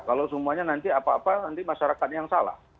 kalau semuanya nanti apa apa nanti masyarakatnya yang salah